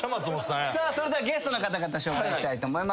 それではゲストの方々紹介したいと思います。